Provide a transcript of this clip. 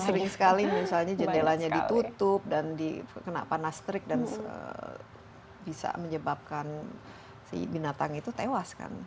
sering sekali misalnya jendelanya ditutup dan dikena panas terik dan bisa menyebabkan si binatang itu tewas kan